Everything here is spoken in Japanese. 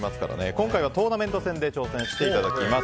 今回はトーナメント戦で挑戦していただきます。